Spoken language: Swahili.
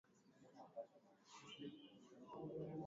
Ma nyumba mu kongolo ma nyumba iko beyi ya chini